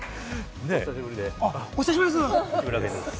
お久しぶりです。